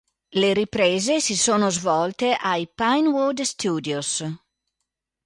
Le riprese si sono svolte ai Pinewood Studios.